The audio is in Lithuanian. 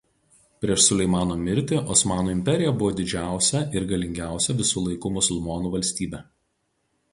Prieš Suleimano mirtį Osmanų imperija buvo didžiausia ir galingiausia visų laikų musulmonų valstybė.